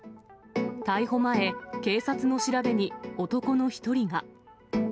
逮捕前、警察の調べに男の一人が。